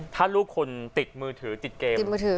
ถ้าลูกคุณติดมือถือติดเกม